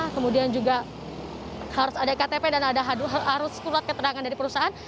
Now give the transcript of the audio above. kemudian juga harus ada ktp dan ada surat keterangan dari perusahaan